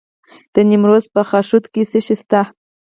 د نیمروز په خاشرود کې څه شی شته؟